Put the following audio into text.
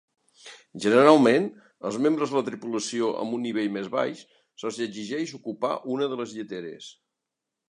Generalment, els membres de la tripulació amb un nivell més baix se'ls exigeix ocupar una de les lliteres.